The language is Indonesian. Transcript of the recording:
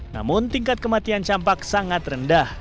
namun tingkat kematian campak sangat rendah